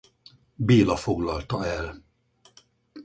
Béla foglalta el.